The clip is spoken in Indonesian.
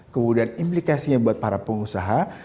kemudian implikasinya buat para pengusaha